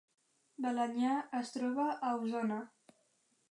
Balenyà es troba a Osona